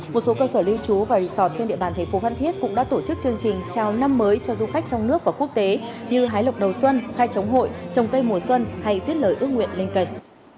một số cơ sở lưu trú và resort trên địa bàn thế phố văn thiết cũng đã tổ chức chương trình chào năm mới cho du khách trong nước và quốc tế như hái lục đầu xuân khai trống hội trồng cây mùa xuân hay tiết lời ước nguyện lên cạnh